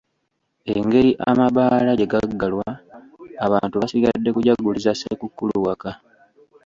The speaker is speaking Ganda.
Engeri amabbaala gye gaggalwa, abantu basigadde kujaguliza sekukkulu waka.